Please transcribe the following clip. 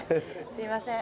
すいません。